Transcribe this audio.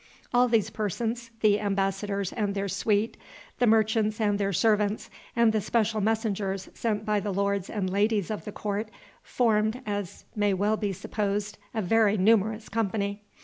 All these persons, the embassadors and their suite, the merchants and their servants, and the special messengers sent by the lords and ladies of the court, formed, as may well be supposed, a very numerous company.